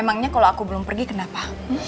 emangnya kalo aku belum pergi kenapa